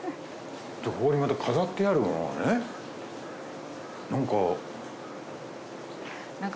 ここにまた飾ってあるものがねなんか。